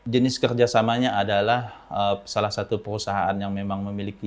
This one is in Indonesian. jenis kerjasamanya adalah salah satu perusahaan yang memang memiliki